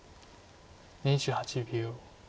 ２８秒。